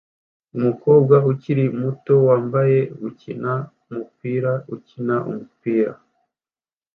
Umukobwa ukiri muto wambaye gukina umupira ukina umupira